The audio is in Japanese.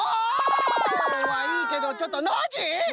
オ！はいいけどちょっとノージー！